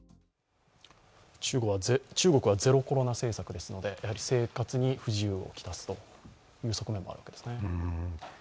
中国はゼロコロナ政策ですのでやはり生活に不自由を来すという側面もあるわけですね。